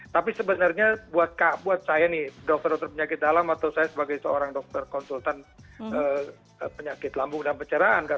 tapi sebenarnya buat saya nih dokter dokter penyakit dalam atau saya sebagai seorang dokter konsultan penyakit lambung dan penceraan